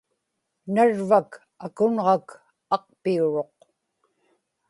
narvak akunġak aqpiuruq